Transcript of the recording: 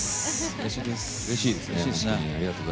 うれしいです。